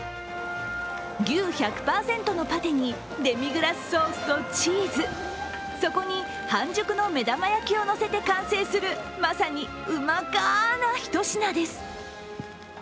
牛１００％のパテにデミグラスソースとチーズ、そこに半熟の目玉焼きをのせて完成する、まさにうまかなひと品です。